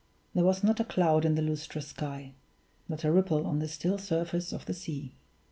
There was not a cloud in the lustrous sky not a ripple on the still surface of the sea.